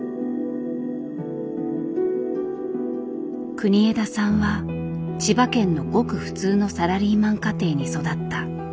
国枝さんは千葉県のごく普通のサラリーマン家庭に育った。